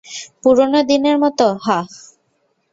পুরোনো দিনের মতো, হাহ?